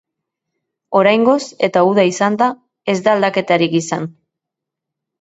Oraingoz, eta uda izanda, ez da aldaketarik izan.